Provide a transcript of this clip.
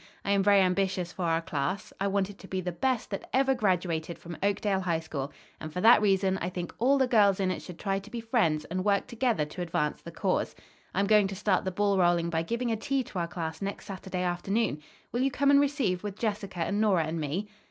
I am very ambitious for our class. I want it to be the best that ever graduated from Oakdale High School, and for that reason, I think all the girls in it should try to be friends and work together to advance the cause. I'm going to start the ball rolling by giving a tea to our class next Saturday afternoon. Will you come and receive with Jessica and Nora and me?"